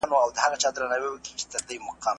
¬ حال منصور وايه، سر ئې په دار سو.